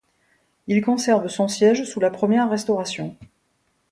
Il conserve son siège sous la Première Restauration.